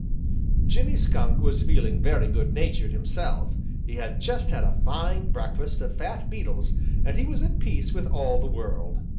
Jimmy Skunk was feeling very good natured himself. He had just had a fine breakfast of fat beetles and he was at peace with all the world.